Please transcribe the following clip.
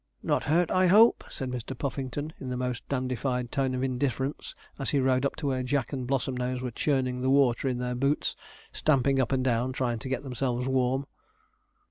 'Not hurt, I hope?' said Mr. Puffington, in the most dandified tone of indifference, as he rode up to where Jack and Blossomnose were churning the water in their boots, stamping up and down, trying to get themselves warm.